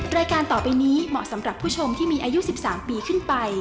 รายการต่อไปนี้เหมาะสำหรับผู้ชมที่มีอายุ๑๓ปีขึ้นไป